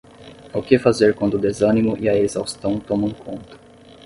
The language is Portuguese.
O que fazer quando o desânimo e a exaustão tomam conta